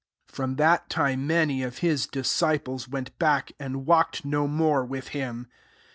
66 From that time^ many of his disciples went back, and walked no more with him.